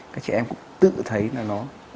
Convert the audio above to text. các trẻ em cũng tự thấy là nó